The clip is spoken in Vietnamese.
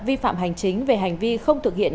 vi phạm hành chính về hành vi không thực hiện